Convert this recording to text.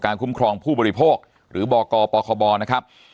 คุ้มครองผู้บริโภคหรือบกปคบนะครับ